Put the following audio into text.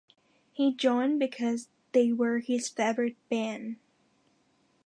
He joined because they were his favourite band.